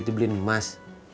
tadi beliin emas